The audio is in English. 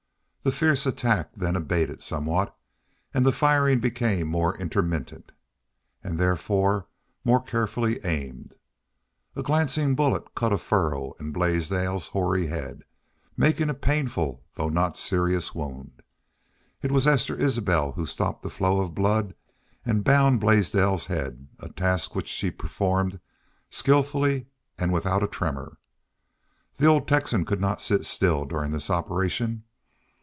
The fierce attack then abated somewhat, and the firing became more intermittent, and therefore more carefully aimed. A glancing bullet cut a furrow in Blaisdell's hoary head, making a painful, though not serious wound. It was Esther Isbel who stopped the flow of blood and bound Blaisdell's head, a task which she performed skillfully and without a tremor. The old Texan could not sit still during this operation.